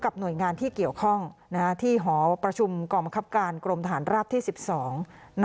หน่วยงานที่เกี่ยวข้องที่หอประชุมกองบังคับการกรมทหารราบที่สิบสอง